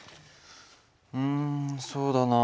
うんそうだなあ。